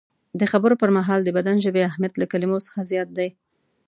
د خبرو پر مهال د بدن ژبې اهمیت له کلمو څخه زیات دی.